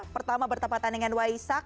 pertama bertepatan dengan waisak